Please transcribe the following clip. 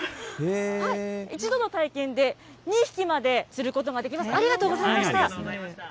一度の体験で２匹まで釣ることができました。